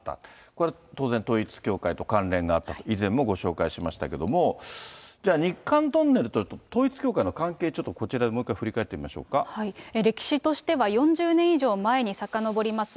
これ、当然、統一教会と関連があったと、以前もご紹介しましたけれども、じゃあ、日韓トンネルと統一教会の関係、こちらでもう一回、歴史としては４０年以上前にさかのぼります。